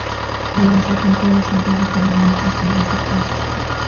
Deben ser limpiados antes de que la muestra se haya secado.